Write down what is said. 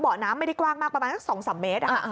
น้ำไม่ได้กว้างมากประมาณสัก๒๓เมตร